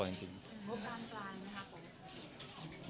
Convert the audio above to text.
บ้านปายไหมครับ